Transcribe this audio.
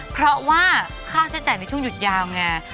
เพราะว่าค่าใช้จ่ายในช่วงหยุดยาวไง